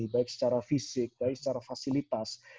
baik secara fisik baik secara fasilitas